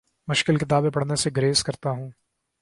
مشکل کتابیں پڑھنے سے گریز کرتا ہوں